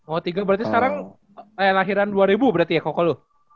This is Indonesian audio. oh tiga berarti sekarang lahiran dua ribu berarti ya cokolo